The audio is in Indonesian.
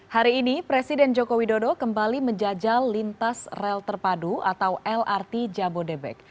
hari ini presiden joko widodo kembali menjajal lintas rel terpadu atau lrt jabodebek